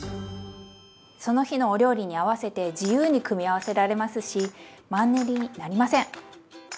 その日のお料理に合わせて自由に組み合わせられますしマンネリになりません！